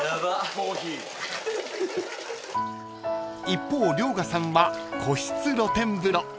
［一方遼河さんは個室露天風呂］